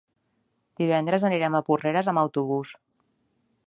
Divendres anirem a Porreres amb autobús.